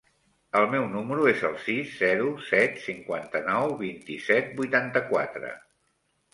El meu número es el sis, zero, set, cinquanta-nou, vint-i-set, vuitanta-quatre.